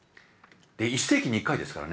１世紀に１回ですからね。